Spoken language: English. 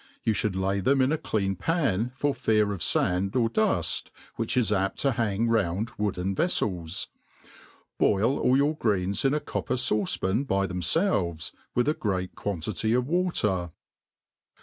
* Yoo Inould Kiy them in a clean pan, f6r ftJar' of fand or duft, which is apt to hang found wooden veflels. Boil all yoor greens in a copper fauee pan by themfdves, with a great quantiiy of water.